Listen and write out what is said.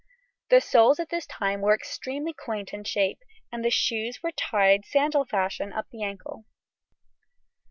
The soles at this time were extremely quaint in shape, and the shoes were tied sandal fashion up the ankle.